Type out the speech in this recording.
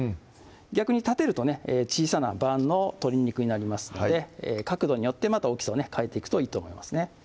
逆に立てるとね小さな判の鶏肉になりますので角度によってまた大きさをね変えていくといいと思いますね